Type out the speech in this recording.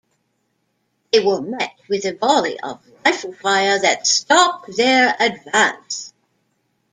They were met with a volley of rifle-fire that stopped their advance.